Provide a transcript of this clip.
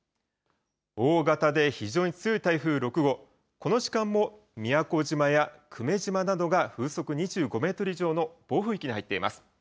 大型で非常に強い台風６号、この時間も宮古島や久米島などが風速２５メートル以上の暴風域に入っています。